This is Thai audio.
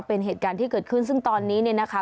เป็นเหตุการณ์ที่เกิดขึ้นซึ่งตอนนี้เนี่ยนะคะ